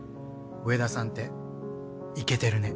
上田さんってイケてるね。